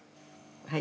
はい。